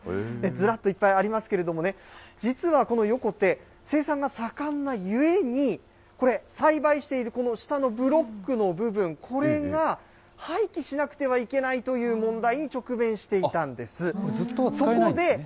ずらっといっぱいありますけれどもね、実はこの横手、生産が盛んなゆえに、これ、栽培しているこの下のブロックの部分、これが廃棄しなくてはいけないという問題に直面していたんです。